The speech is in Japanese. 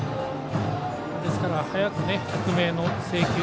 ですから早く低めへの制球